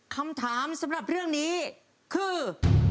คำถามสำหรับเรื่องนี้คือ